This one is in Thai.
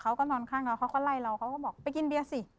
เขาก็นอนข้างเราเขาก็ไล่เราเขาก็บอกไปกินเบียร์สิ